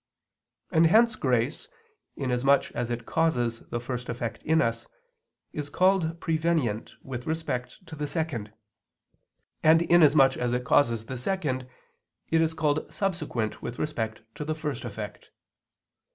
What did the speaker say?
And hence grace, inasmuch as it causes the first effect in us, is called prevenient with respect to the second, and inasmuch as it causes the second, it is called subsequent with respect to the first effect.